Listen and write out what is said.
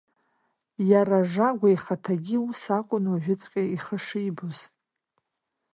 Иара Жагәа ихаҭагьы ус акәын уажәыҵәҟьа ихы шибоз.